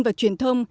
và truyền thông